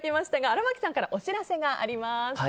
荒牧さんからお知らせがあります。